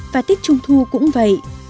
và tết trung thu cũng vậy